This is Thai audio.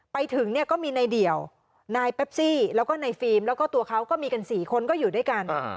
ไปถึงเนี่ยก็มีนายเดี่ยวนายเปปซี่แล้วก็ในฟิล์มแล้วก็ตัวเขาก็มีกัน๔คนก็อยู่ด้วยกัน